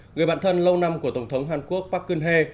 người bạn thân lâu năm của tổng thống hàn quốc park geun hye